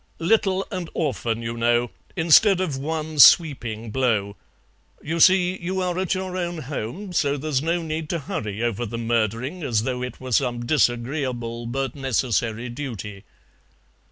"Little and often, you know, instead of one sweeping blow. You see, you are at your own home, so there's no need to hurry over the murdering as though it were some disagreeable but necessary duty."